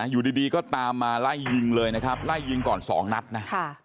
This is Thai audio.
อยู่ดีก็ตามมาไล่ยิงเลยนะครับไล่ยิงก่อน๒นัดนะ